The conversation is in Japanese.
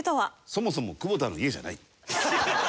そもそも久保田の家じゃない。